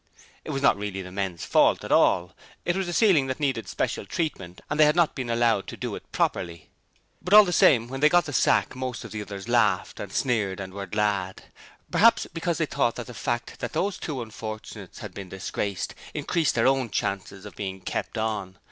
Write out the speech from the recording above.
It was not really the men's fault at all: it was a ceiling that needed special treatment and they had not been allowed to do it properly. But all the same, when they got the sack most of the others laughed and sneered and were glad. Perhaps because they thought that the fact that these two unfortunates had been disgraced, increased their own chances of being 'kept on'.